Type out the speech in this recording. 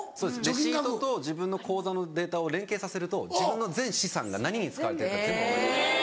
レシートと自分の口座のデータを連携させると自分の全資産が何に使われているか全部分かる。